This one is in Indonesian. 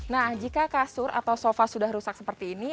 nah jika kasur atau sofa sudah rusak seperti ini